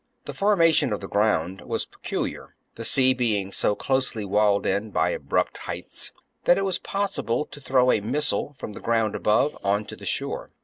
The formation of the ground was 55 b.c. pecuHar, the sea being so closely walled in by abrupt heights that it was possible to throw a missile from the ground above on to the shore.